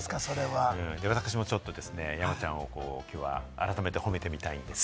私もちょっとですね、山ちゃんを改めて褒めてみたいんですが。